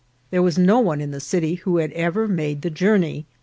There was no one in the city who had ever made the journey.